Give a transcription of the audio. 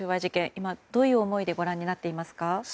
今、どういう思いでご覧になってますか？